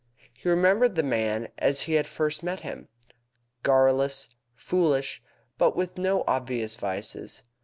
He remembered the man as he had first met him, garrulous, foolish, but with no obvious vices.